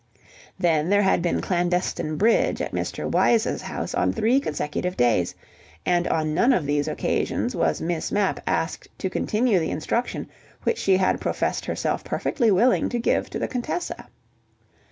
Then there had been clandestine bridge at Mr. Wyse's house on three consecutive days, and on none of these occasions was Miss Mapp asked to continue the instruction which she had professed herself perfectly willing to give to the Contessa.